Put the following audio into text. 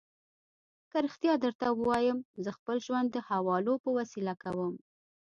که رښتیا درته ووایم، زه خپل ژوند د حوالو په وسیله کوم.